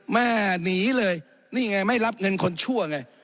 แม่หนีเลยนี่ไงไม่รับเงินคนชั่วไง